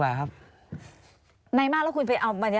ว่ามันคือเอกสารอะไร